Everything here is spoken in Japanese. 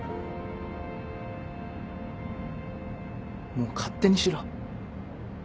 もう勝手にしろ。